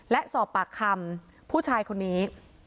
และสอบปากคำผู้ชายคนนี้